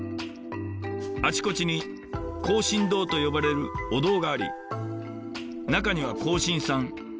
あちこちに「庚申堂」と呼ばれるお堂があり中には庚申さん